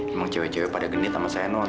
emang cewek cewek pada genit sama saya non